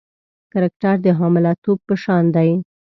کرکټر د حامله توب په شان دی.